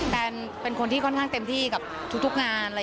แนนเป็นคนที่ค่อนข้างเต็มที่กับทุกงาน